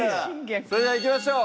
それでは行きましょう！